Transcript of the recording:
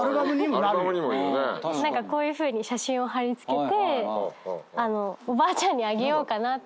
何かこういうふうに写真を貼り付けておばあちゃんにあげようかなと。